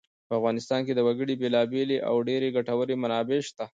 په افغانستان کې د وګړي بېلابېلې او ډېرې ګټورې منابع شته.